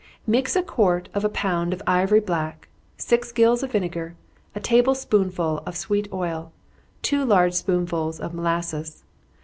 _ Mix a quarter of a pound of ivory black, six gills of vinegar, a table spoonful of sweet oil, two large spoonsful of molasses.